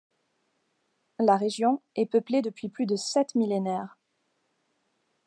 La région est peuplée depuis plus de sept millénaires.